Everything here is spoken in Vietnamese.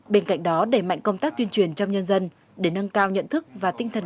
bên cạnh đó đẩy mạnh công tác tuyên truyền trong nhân dân để nâng cao nhận thức và tinh thần